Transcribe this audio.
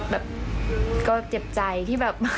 แบบก็เจ็บใจที่แบบ